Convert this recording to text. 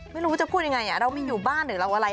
ไม่รู้ว่าจะพูดอย่างไรเราไม่อยู่บ้านหรืออะไร